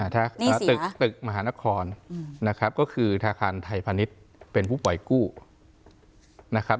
ถ้าตึกตึกมหานครนะครับก็คือธนาคารไทยพาณิชย์เป็นผู้ปล่อยกู้นะครับ